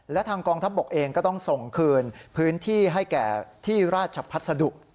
และทางกองทัพบกเองก็ต้องส่งคืนพื้นที่ให้แก่ที่ราชพัสดุ